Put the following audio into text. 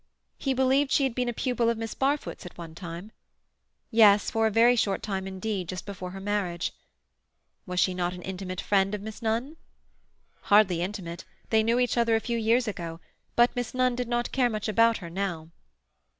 He believed she had been a pupil of Miss Barfoot's at one time? Yes, for a very short time indeed, just before her marriage. Was she not an intimate friend of Miss Nunn? Hardly intimate. They knew each other a few years ago, but Miss Nunn did not care much about her now.